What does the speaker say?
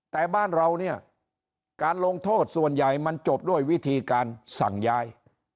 แต่บ้านเราเนี่ยการลงโทษส่วนใหญ่มันจบด้วยวิธีการสั่งย้าย